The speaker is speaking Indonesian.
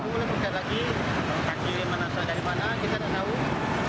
bukit bukit lagi kaki menasak dari mata kita udah tahu